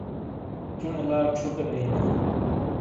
چُنے لا چھُکے بیئینا ۔